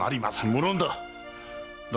無論だっ！